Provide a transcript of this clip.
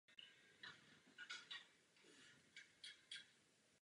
Z těchto důvodů jsem se závěrečného hlasování zdržela.